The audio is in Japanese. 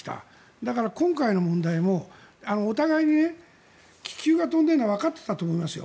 だから、今回の問題もお互いに気球が飛んでるのはわかっていたと思いますよ。